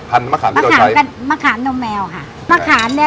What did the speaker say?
พันธุ์มะขามที่โดยใช้มะขามกันมะขามนมแมวค่ะมะขามเนี่ย